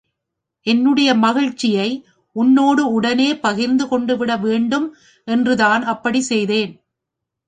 என்னுடைய மகிழ்ச்சியை உன்னோடு உடனே பகிர்ந்து கொண்டுவிட வேண்டும் என்று தான் அப்படிச் செய்தேன்.